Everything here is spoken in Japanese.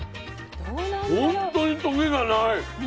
本当にトゲがない。